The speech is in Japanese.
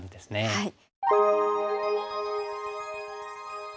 はい。